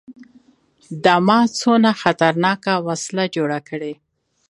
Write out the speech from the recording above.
دا ما څونه خطرناکه وسله جوړه کړې.